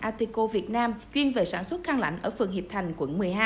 atico việt nam chuyên về sản xuất khăn lạnh ở phường hiệp thành quận một mươi hai